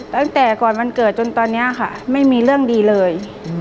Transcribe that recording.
ตั้งแต่ก่อนวันเกิดจนตอนนี้ค่ะไม่มีเรื่องดีเลย